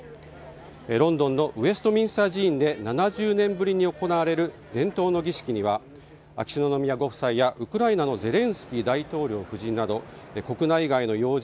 ロンドンのウェストミンスター寺院で７０年ぶりに行われる伝統の儀式には秋篠宮ご夫妻やウクライナのゼレンスキー大統領夫人など国内外の要人